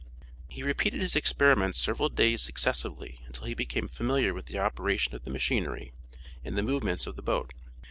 He repeated his experiments several days successively until he became familiar with the operation of the machinery, and the movements of the boat.